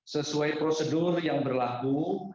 sesuai prosedur yang berlaku